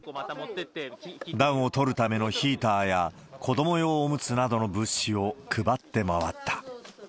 暖をとるためのヒーターや、子ども用おむつなどの物資を配って回った。